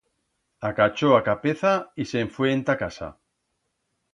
Acachó a capeza y se'n fue enta casa.